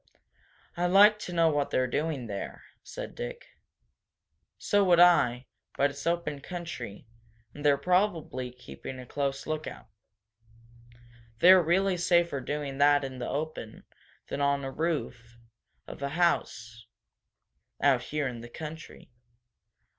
"I'd like to know what they're doing there," said Dick. "So would I, but it's open country, and they're probably keeping a close lookout. They're really safer doing that in the open than on the roof of a house, out here in the country."